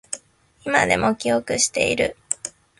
今でも記憶している